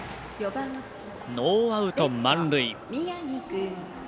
ノーアウト、満塁。